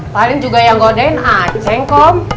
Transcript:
paling juga yang godain aceh kom